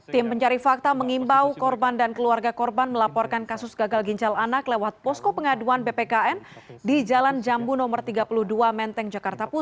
tim pencari fakta mengimbau korban dan keluarga korban melaporkan kasus gagal ginjal anak lewat posko pengaduan bpkn di jalan jambu no tiga puluh dua menteng jakarta pusat